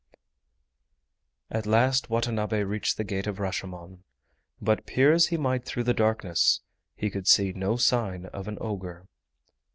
At last Watanabe reached the Gate of Rashomon, but peer as he might through the darkness he could see no sign of an ogre.